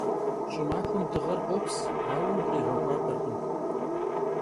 Ş'ımaxuem dığer khops, aue vukhiğexuaberkhım.